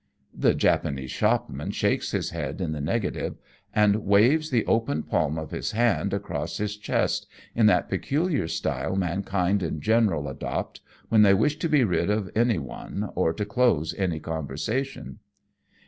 The Japanese shopman shakes his head in the negative, and waves the open palm of his hand across his chest in that peculiar style mankind in general adopt when they wish to be rid of anyone, or to close any conversation.